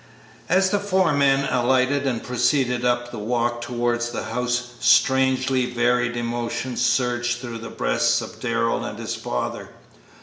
As the four men alighted and proceeded up the walk towards the house strangely varied emotions surged through the breasts of Darrell and his father.